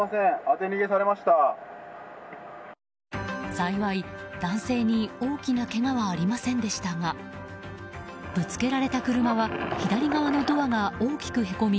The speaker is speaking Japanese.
幸い、男性に大きなけがはありませんでしたがぶつけられた車は左側のドアが大きくへこみ